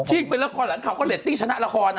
ที่เป็นละครหลังข่าวก็เรดตี้ชนะละครนะ